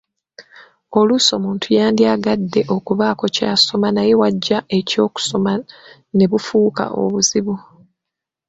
Oluusi omuntu yandiyagadde okubaako ky'asoma naye w'aggya eky'okusoma ne bufuuka obuzibu.